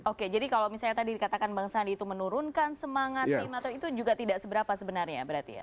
oke jadi kalau misalnya tadi dikatakan bang sandi itu menurunkan semangat tim atau itu juga tidak seberapa sebenarnya berarti ya